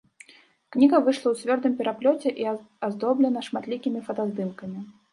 Кніга выйшла ў цвёрдым пераплёце і аздоблена шматлікімі фотаздымкамі.